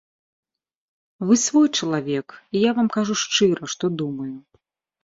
Вы свой чалавек, і я вам кажу шчыра, што думаю.